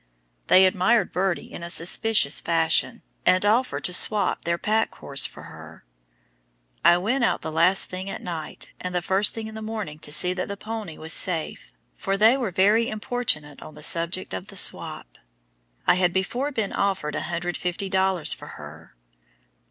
They admired Birdie in a suspicious fashion, and offered to "swop" their pack horse for her. I went out the last thing at night and the first thing in the morning to see that "the powny" was safe, for they were very importunate on the subject of the "swop." I had before been offered 150 dollars for her.